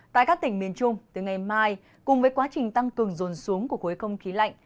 tại các tỉnh miền trung từ ngày mai cùng với quá trình tăng cường dồn xuống của khối không khí lạnh